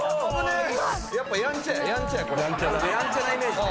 やんちゃなイメージね。